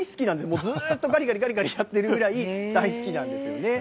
もうずっとがりがりやってるぐらい、大好きなんですよね。